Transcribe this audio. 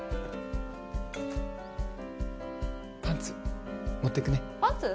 パンツ持ってくねパンツ？